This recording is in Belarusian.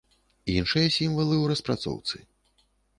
Іншыя сімвалы ў распрацоўцы.